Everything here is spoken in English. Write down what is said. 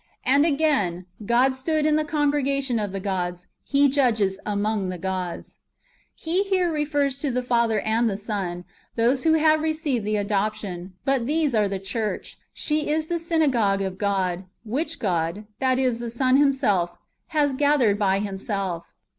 And a£fain: " God stood in the cono re^ation of the gods. He judges among the gods." ^ He [here] refers to the Father and the Son, and those who have received the adoption ; but these are the church. For she is the syna gogue of God, which God — that is, the Son Himself — has gathered by Himself.